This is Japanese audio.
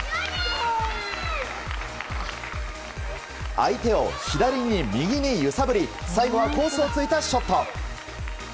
相手を左に、右に揺さぶり最後はコースを突いたショット。